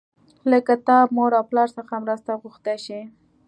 له کتاب، مور او پلار څخه مرسته غوښتی شئ.